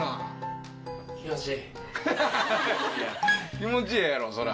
気持ちええやろそりゃ。